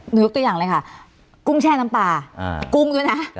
ยกตัวอย่างเลยค่ะกุ้งแช่น้ำปลากุ้งด้วยนะ